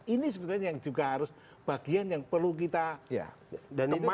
ini sebetulnya yang juga harus bagian yang perlu kita